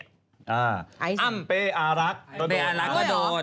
อัมเปอารักก็โดน